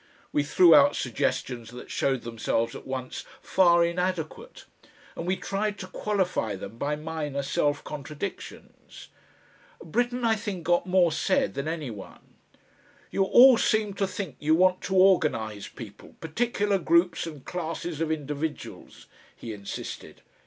We threw out suggestions that showed themselves at once far inadequate, and we tried to qualify them by minor self contradictions. Britten, I think, got more said than any one. "You all seem to think you want to organise people, particular groups and classes of individuals," he insisted.